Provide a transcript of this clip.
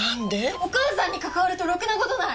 お母さんに関わるとろくなことない！